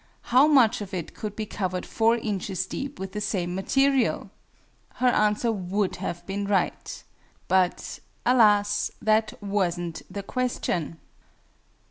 How much of it could be covered 4 inches deep with the same material?" her answer would have been right. But alas, that wasn't the question!